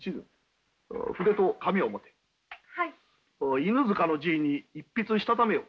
犬塚のじいに一筆したためよう。